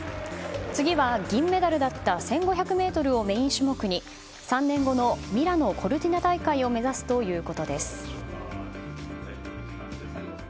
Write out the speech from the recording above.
次は、銀メダルだった１５００ｍをメイン種目に３年後のミラノ・コルティナ大会を目指すということです。